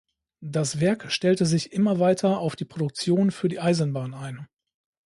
Das Werk stellte sich immer weiter auf die Produktion für die Eisenbahn ein.